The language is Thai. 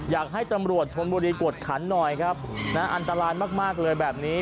อยากให้ตำรวจชนบุรีกวดขันหน่อยครับนะอันตรายมากเลยแบบนี้